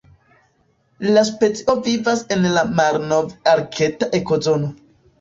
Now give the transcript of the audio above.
La specio vivas en la Malnov-Arkta ekozono.